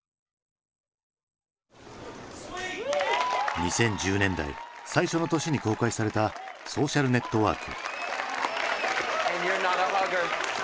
２０１０年代最初の年に公開された「ソーシャル・ネットワーク」。